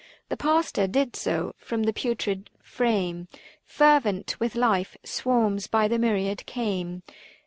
The pastor did so ; from the putrid frame Fervent with life, swarms by the myriad came.